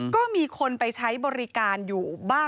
ก็มีคนไปใช้บริการอยู่บ้าน